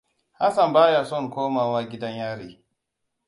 Hassan ba ya son komawa gidan yari.